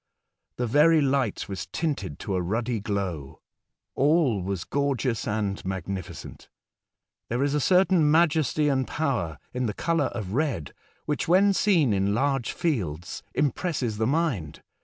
The very light was tinted to a ruddy glow. All was gorgeous and magnificent. There is a certain majesty and power in the colour of red which, when seen in large fields, impresses the mind.